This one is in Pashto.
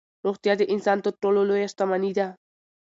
روغتیا د انسان تر ټولو لویه شتمني ده.